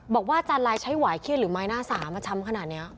อาจารย์ลายใช้หวายเขี้ยนหรือไม้หน้าสามาช้ำขนาดนี้